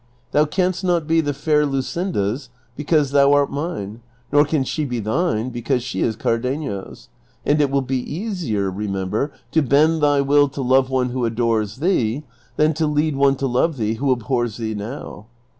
Thou canst not be the fair Luscinda's because thou art mine, nor can she be thine because she is Cardenio's ; and it will be easier, remember, to bend thy will to love one who adores thee, than to lead one to love thee who abhors thee now.